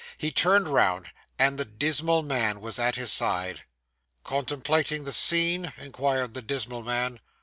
He turned round: and the dismal man was at his side. 'Contemplating the scene?' inquired the dismal man.